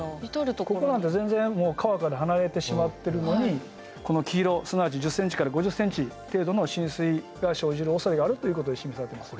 ここなんて全然川から離れてしまってるのにこの黄色すなわち１０ｃｍから５０ｃｍ程度の浸水が生じるおそれがあるということで示されてます。